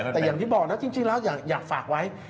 แต่อย่างที่บอกนะจริงแล้วอยากฝากไว้